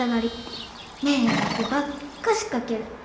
迷惑ばっかしかける。